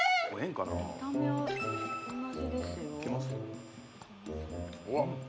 見た目は同じですようわ